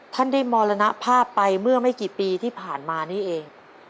ท่านได้มรณภาพไปเมื่อไม่กี่ปีที่ผ่านมานี่เอง